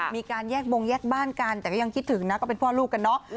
มีการแยกบงแยกบ้านกันแต่ก็ยังคิดถึงนะก็เป็นพ่อลูกกันเนาะ